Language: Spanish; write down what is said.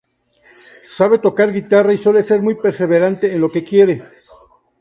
Sabe tocar guitarra y suele ser muy perseverante en lo que quiere.